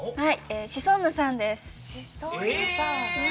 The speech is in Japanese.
はい。